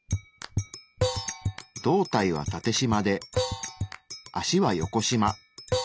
胴体はタテしまで足はヨコしま。